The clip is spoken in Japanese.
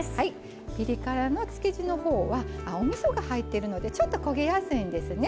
ピリ辛の漬け地のほうはおみそが入っているのでちょっと焦げやすいんですね。